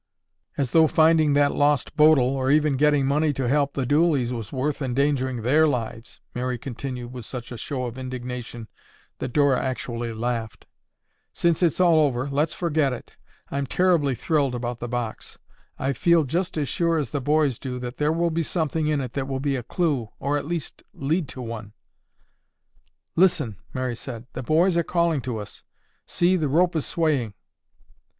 "As though finding that lost Bodil, or even getting money to help the Dooleys, was worth endangering their lives," Mary continued with such a show of indignation that Dora actually laughed. "Since it's all over, let's forget it. I'm terribly thrilled about the box. I feel just as sure as the boys do that there will be something in it that will be a clue, or at least, lead to one." "Listen," Mary said. "The boys are calling to us. See, the rope is swaying."